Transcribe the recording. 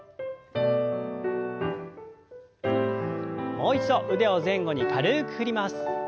もう一度腕を前後に軽く振ります。